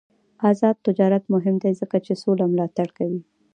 آزاد تجارت مهم دی ځکه چې سوله ملاتړ کوي.